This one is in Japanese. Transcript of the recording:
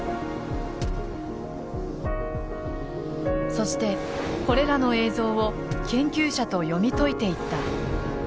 そしてこれらの映像を研究者と読み解いていった。